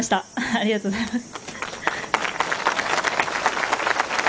ありがとうございます。